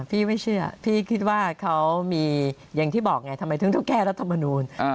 พี่ไม่เชื่อพี่คิดว่าเขามีอย่างที่บอกไงทำไมถึงต้องแก้รัฐมนูล